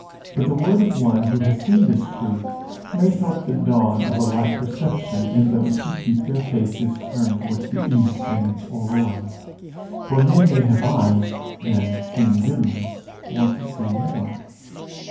But the word of one who has seen this truth may help the dawn of a like perception in those who keep their faces turned towards the east and its aurora; for men may have eyes, and, seeing dimly, want to see more.